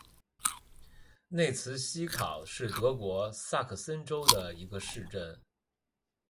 内茨希考是德国萨克森州的一个市镇。